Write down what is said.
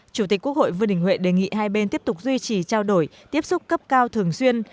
chủ tịch quốc hội vương đình huệ đề nghị hai bên tiếp tục duy trì trao đổi tiếp xúc cấp cao thường xuyên